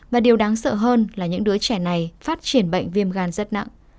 và điều đáng sợ hơn là những đứa trẻ này phát triển bệnh viêm gan rất nặng